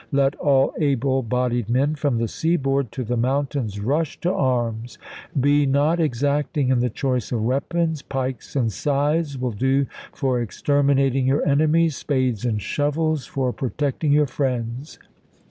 Let all able bodied men from the sea board to the mountains rush to arms. Be not exacting in the choice of weapons; pikes and scythes will do for exterminating your enemies; spades and shovels ibid., p. 782. for protecting your friends."